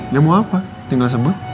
dia mau apa tinggal sebut